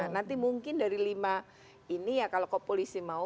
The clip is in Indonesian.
nanti mungkin dari lima ini ya kalau polisi mau